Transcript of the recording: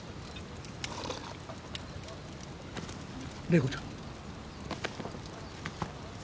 麗子ちゃん。